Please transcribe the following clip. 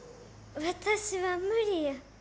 私は無理や。